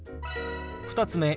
２つ目。